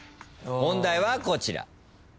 問題はこちら。